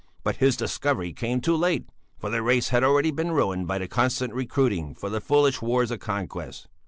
But his discovery came too late, for the race had already been ruined by the constant recruiting for the foolish wars of conquest.